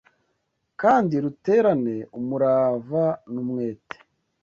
kandi ruterane umurava n umwete